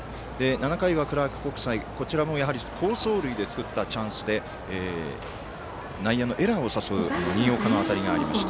７回はクラーク国際こちらも、好走塁で作ったチャンスで内野のエラーを誘う新岡の当たりがありました。